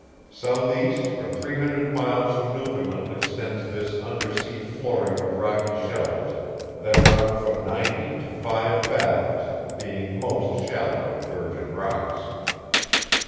Southeast for three hundred miles from Newfoundland extends this under sea flooring of rocky shelves, that run from ninety to five fathoms, being most shallow at Virgin Rocks.